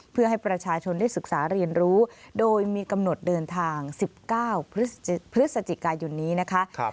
เพื่อให้ประชาชนได้ศึกษาเรียนรู้โดยมีกำหนดเดินทาง๑๙พฤศจิกายนนี้นะคะ